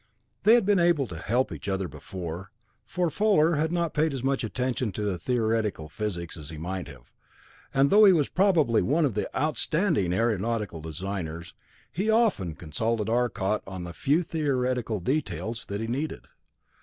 They had been able to help each other before, for Fuller had not paid as much attention to theoretical physics as he might have, and though he was probably one of the outstanding aeronautical designers, he often consulted Arcot on the few theoretical details that he needed.